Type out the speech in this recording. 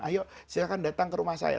ayo silahkan datang ke rumah saya